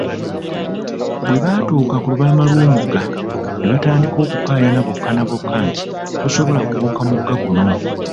Bwe baatuuka ku lubalama lw'omugga, ne batandika okukaayana bokka na bokka nti, tosobola kubuuka mugga guno!